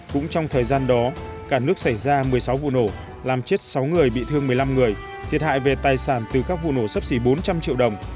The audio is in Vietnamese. cũng trong thời gian đó cả nước xảy ra một mươi sáu vụ nổ làm chết sáu người bị thương một mươi năm người thiệt hại về tài sản từ các vụ nổ sấp xỉ bốn trăm linh triệu đồng